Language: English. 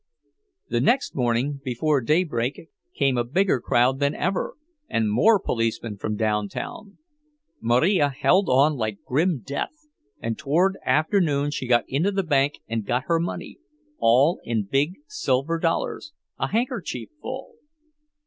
The next morning, before daybreak, came a bigger crowd than ever, and more policemen from downtown. Marija held on like grim death, and toward afternoon she got into the bank and got her money—all in big silver dollars, a handkerchief full.